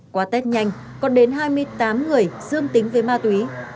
qua tết nhanh còn đến hai mươi tám người dương tính với ma túy